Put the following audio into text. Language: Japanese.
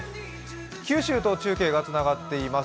九州と中継がつながっています。